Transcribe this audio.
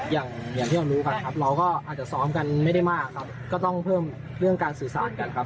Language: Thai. อย่างที่เรารู้กันครับเราก็อาจจะซ้อมกันไม่ได้มากครับก็ต้องเพิ่มเรื่องการสื่อสารกันครับ